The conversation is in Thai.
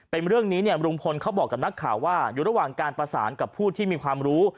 เป็นเรื่องนี้เนี่ยลุงพลเขาบอกกับนักข่าวว่าอยู่ระหว่างการประสานกับผู้ที่มีความรู้